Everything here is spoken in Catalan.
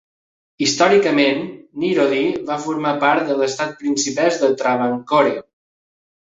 Històricament, Neerody va formar part de l'estat principesc de Travancore.